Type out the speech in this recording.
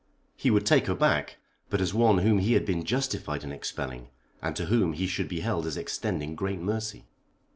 He would take her back, but as one whom he had been justified in expelling, and to whom he should be held as extending great mercy.